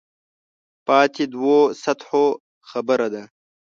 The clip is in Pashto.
پاتې دوو سطحو خبره ده.